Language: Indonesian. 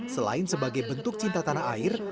selain sebagai bentuk cinta tanah air